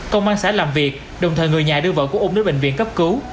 công an xã làm việc đồng thời người nhà đưa vợ của ung đến bệnh viện cấp cứu